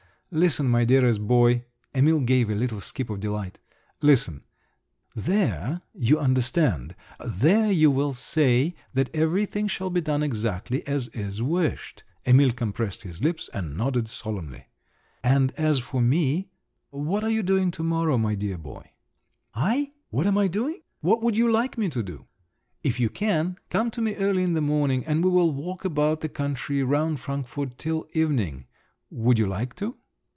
Listen, my dearest boy—(Emil gave a little skip of delight)—listen; there you understand, there, you will say, that everything shall be done exactly as is wished—(Emil compressed his lips and nodded solemnly)—and as for me … what are you doing to morrow, my dear boy?" "I? what am I doing? What would you like me to do?" "If you can, come to me early in the morning—and we will walk about the country round Frankfort till evening…. Would you like to?"